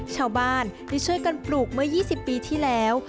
ชาวบ้านได้ช่วยกันปลูกเมื่อ๒๐ปีที่แล้ว